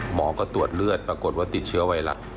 หมอก็ตรวจเลือดปรากฏว่าติดเชื้อไวรัส